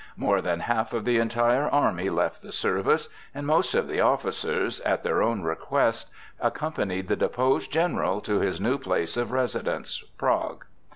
More than one half of the entire army left the service, and most of the officers, at their own request, accompanied the deposed general to his new place of residence, Prague.